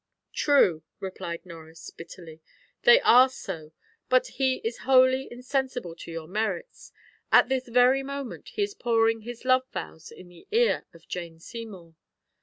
"True," replied Norris bitterly; "they are so, but he is wholly insensible to your merits. At this very moment he is pouring his love vows in the ear of Jane Seymour."